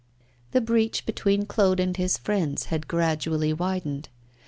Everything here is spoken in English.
The breach between Claude and his old friends had gradually widened.